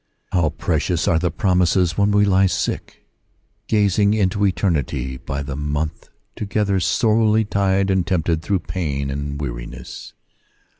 How precious are the promises when we lie sick, gazing into eternity by the month together, sorely tried and tempted through pain and weariness